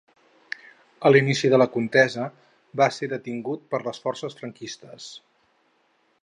A l'inici de la contesa va ser detingut per les forces franquistes.